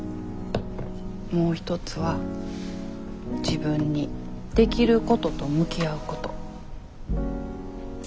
もう一つは「自分にできることと向き合うこと」。